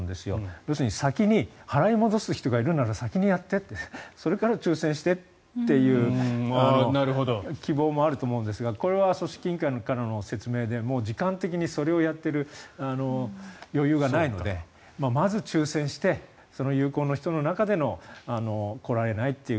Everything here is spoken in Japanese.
要するに払い戻す人がいるなら先にやってってそれから抽選してという希望もあると思うんですがこれは組織委員会からの説明でそれをやっている時間的な余裕がないので、まず抽選してその有効の人の中での来られないという。